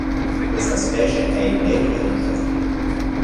Questa specie è endemica del Brasile.